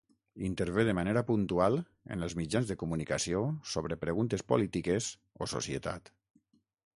Intervé de manera puntual en els mitjans de comunicació sobre preguntes polítiques o societat.